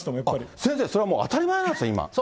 先生、それはやっぱり当たり前なんですね、今。